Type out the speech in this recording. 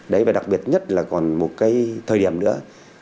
đặc biệt nhất là còn một thời điểm nữa